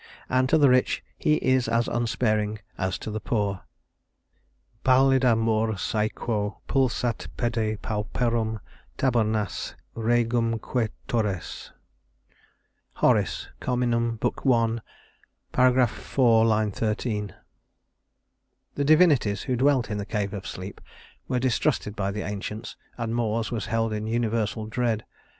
And to the rich he is as unsparing as to the poor. "Pallida Mors æquo pulsat pede pauperum tabernas regumque turres." HORACE, Carminum, Book I, § IV, line 13. The divinities who dwelt in the Cave of Sleep were distrusted by the ancients, and Mors was held in universal dread.